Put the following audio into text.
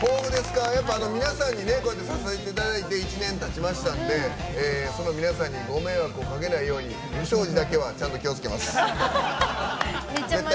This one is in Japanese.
やっぱ、皆さんに支えていただいて１年たちましたんで皆さんにご迷惑をかけないように不祥事だけはちゃんと気をつけます。